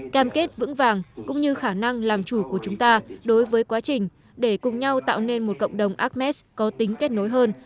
cam kết vững vàng cũng như khả năng làm chủ của chúng ta đối với quá trình để cùng nhau tạo nên một cộng đồng ames có tính kết nối hơn